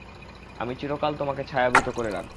আমি চিরকাল তোমাকে ছায়াবৃত করে রাখব।